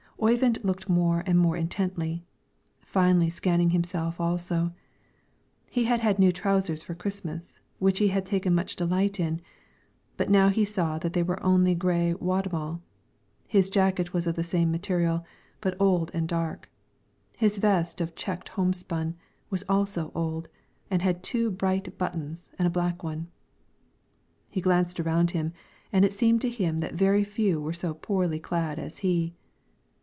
Oyvind looked more and more intently, finally scanned himself also; he had had new trousers for Christmas, which he had taken much delight in, but now he saw that they were only gray wadmal; his jacket was of the same material, but old and dark; his vest, of checked homespun, was also old, and had two bright buttons and a black one. He glanced around him and it seemed to him that very few were so poorly clad as he.